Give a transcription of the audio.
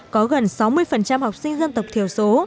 có gần sáu mươi học sinh dân tộc thiểu số